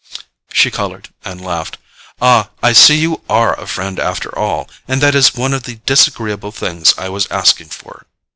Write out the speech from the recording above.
She coloured and laughed. "Ah, I see you ARE a friend after all, and that is one of the disagreeable things I was asking for."